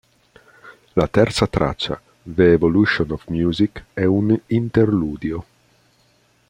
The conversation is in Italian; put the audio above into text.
La terza traccia, "The Evolution of Music", è un interludio.